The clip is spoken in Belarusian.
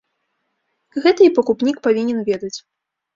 Гэта і пакупнік павінен ведаць.